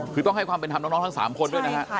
คือต้องให้ความเป็นทำน้องทั้งสามคนด้วยครับโอเคค่ะ